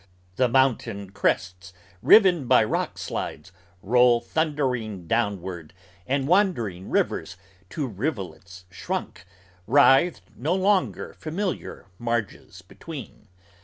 The mountain crests riven by rock slides roll thundering downward And wandering rivers, to rivulets shrunk, writhed no longer Familiar marges between.